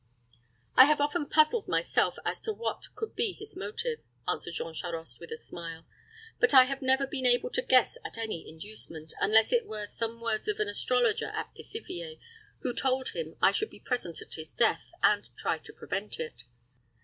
"I have often puzzled myself as to what could be his motive," answered Jean Charost, with a smile, "but have never been even able to guess at any inducement, unless it were some words of an astrologer at Pithiviers, who told him I should be present at his death, and try to prevent it."